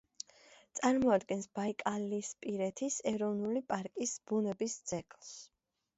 წარმოადგენს ბაიკალისპირეთის ეროვნული პარკის ბუნების ძეგლს.